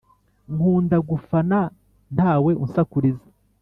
Nkunda gufana ntaw’ unsakuriza